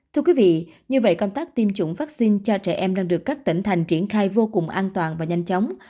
thưa quý vị như vậy công tác tiêm chủng vaccine cho trẻ em đang được các tỉnh thành triển khai vô cùng an toàn và nhanh chóng